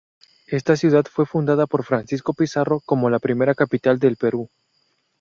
Esta ciudad fue fundada por Francisco Pizarro como la primera capital del Perú.